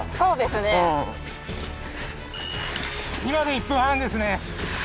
今で１分半ですね